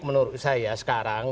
menurut saya sekarang